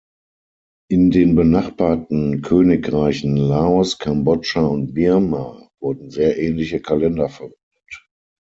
In den benachbarten Königreichen Laos, Kambodscha und Birma wurden sehr ähnliche Kalender verwendet.